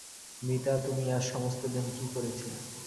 মিতা, তুমি আজ সমস্ত দিন কী করছিলে।